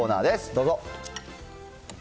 どうぞ。